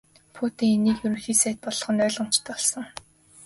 Путин хэнийг Ерөнхий сайд болгох нь ойлгомжтой болсон.